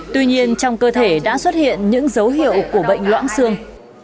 tuy nhiên trong cơ thể đã xuất hiện những dấu hiệu của bệnh loãng xương